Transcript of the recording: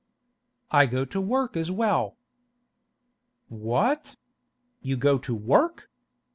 'I go to work as well.' 'What? You go to work?